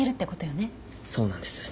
そうなんです。